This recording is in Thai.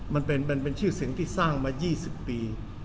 มันเป็นชื่อเสียงที่สร้างมา๒๐ปี